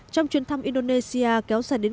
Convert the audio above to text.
trong chuyến thăm indonesia kéo dài đến